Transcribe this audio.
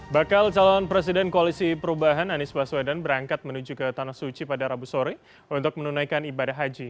bakal calon presiden koalisi perubahan anies baswedan berangkat menuju ke tanah suci pada rabu sore untuk menunaikan ibadah haji